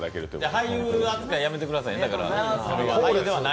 俳優扱いやめてくださいね。